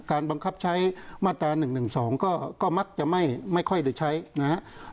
บังคับใช้มาตรา๑๑๒ก็มักจะไม่ค่อยได้ใช้นะครับ